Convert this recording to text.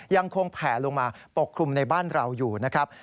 ยังคงแผ่ลงมาปกคลุมในบ้านเราอยู่นะครับ